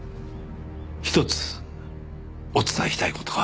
ひとつお伝えしたい事が。